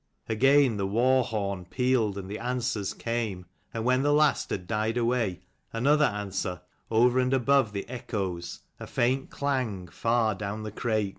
Again the war horn pealed, and the answers came ; and when the last had died away, another answer, over and above the echoes, a faint clang, far down the Crake.